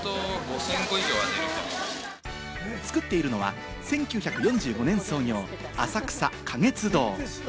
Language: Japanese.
作っているのは１９４５年創業、浅草花月堂。